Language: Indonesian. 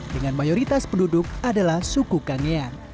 dengan mayoritas penduduk adalah suku kangean